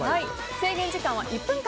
制限時間は１分間。